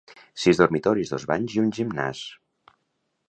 sis dormitoris, dos banys i un gimnàs